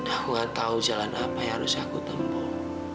aku gak tahu jalan apa yang harus aku tempuh